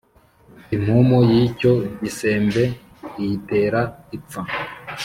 impumuro y'icyo gisembe iyitera ipfa